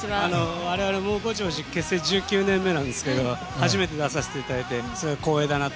我々、ぼちぼち結成９年目なんですけど初めて出させていただいてすごい光栄だなと。